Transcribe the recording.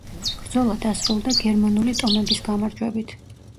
ბრძოლა დასრულდა გერმანული ტომების გამარჯვებით.